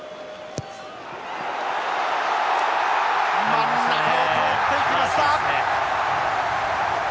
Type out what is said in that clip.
真ん中を通っていきました。